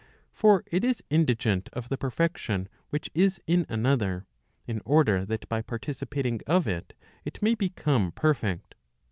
For it is indigent of the perfection which is in another, in order that by participating of it, it may become perfect.